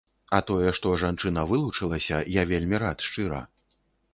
А тое, што жанчына вылучылася, я вельмі рад, шчыра.